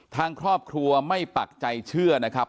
ทางครอบครัวไม่ปักใจเชื่อนะครับ